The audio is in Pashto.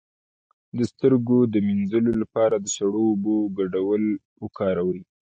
د سترګو د مینځلو لپاره د سړو اوبو ګډول وکاروئ